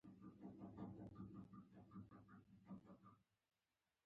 وایسرا تهدید وکړ چې که امیر ژر تفاهم ته نه رسیږي.